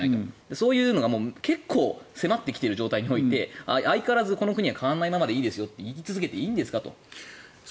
そういうのが結構迫っている状態で相変わらずこの国は変わらないままでいいんですと言い続けていいんですかと。